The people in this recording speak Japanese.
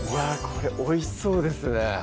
これおいしそうですね